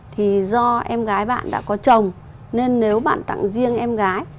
thì do em gái bạn đã có chồng nên nếu bạn tặng riêng em gái